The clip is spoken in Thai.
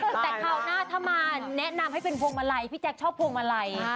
แต่คราวหน้าถ้ามาแนะนำให้เป็นพวงมาลัยพี่แจ๊คชอบพวงมาลัย